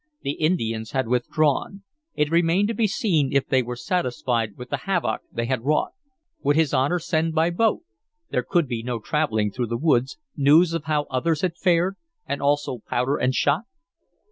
The Indians had withdrawn; it remained to be seen if they were satisfied with the havoc they had wrought. Would his Honor send by boat there could be no traveling through the woods news of how others had fared, and also powder and shot?